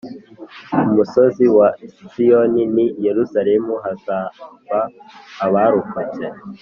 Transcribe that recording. Ku musozi wa siyoni n i yerusalemu hazaba abarokotse